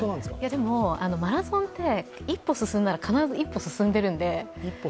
でもマラソンって一歩進んだら、必ず一歩進んでるんで。